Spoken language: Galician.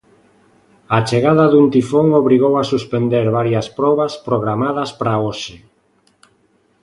A chegada dun tifón obrigou a suspender varias probas programadas para hoxe.